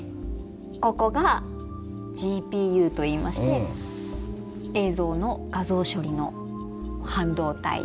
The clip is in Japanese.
ここがＧＰＵといいまして映像の画像処理の半導体になります。